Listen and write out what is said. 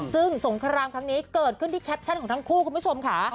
ซึ่งสงครามครั้งนี้เกิดขึ้นที่แคปชั่นของทั้งคู่คุณผู้ชมค่ะ